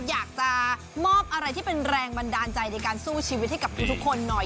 อยากจะมอบอะไรที่เป็นแรงบันดาลใจในการสู้ชีวิตให้กับทุกคนหน่อย